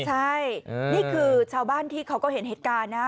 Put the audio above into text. ใช่นี่คือชาวบ้านที่เขาก็เห็นเหตุการณ์นะ